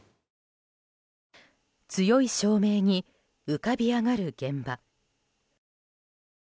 強い照明に浮かび上がる現場。